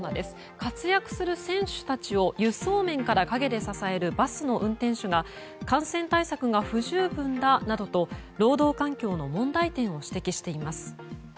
活躍する選手たちを輸送面から陰で支えるバスの運転手が感染対策が不十分だと労働環境の問題点を指摘しています。